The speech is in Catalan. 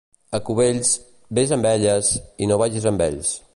A Cubells, vés amb elles i no vagis amb ells.